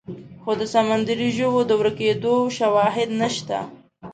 خو د سمندري ژوو د ورکېدو شواهد نشته.